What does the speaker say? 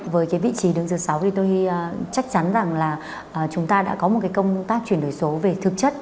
với cái vị trí đứng thứ sáu thì tôi chắc chắn rằng là chúng ta đã có một cái công tác chuyển đổi số về thực chất